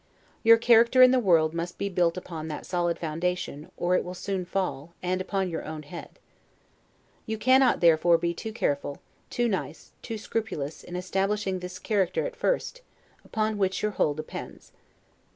Your character in the world must be built upon that solid foundation, or it will soon fall, and upon your own head. You cannot, therefore, be too careful, too nice, too scrupulous, in establishing this character at first, upon which your whole depends.